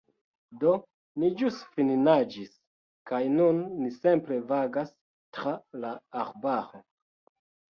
Do ni Ĵus finnaĝis kaj nun ni simple vagas tra la arbaro